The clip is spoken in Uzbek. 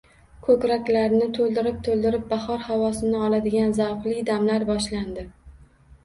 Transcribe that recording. Ko'kraklarni to'ldirib-to'ldirib bahor xavosini oladigan zavqli damlar boshlandi.